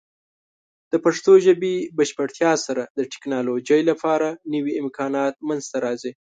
د پښتو ژبې بشپړتیا سره، د ټیکنالوجۍ لپاره نوې امکانات منځته راځي.